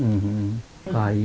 oh kena kayu